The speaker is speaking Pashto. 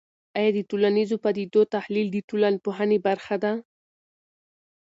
آیا د ټولنیزو پدیدو تحلیل د ټولنپوهنې برخه ده؟